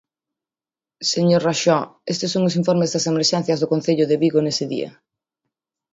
Señor Raxó, estes son os informes das emerxencias do concello de Vigo nese día.